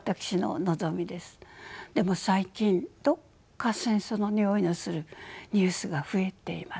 でも最近どこか戦争のにおいのするニュースが増えています。